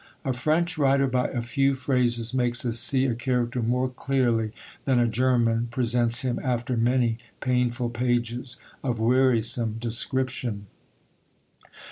A French writer by a few phrases makes us see a character more clearly than a German presents him after many painful pages of wearisome description.